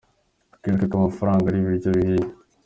Twibuke ko amafaranga ari ibiryo bihiye.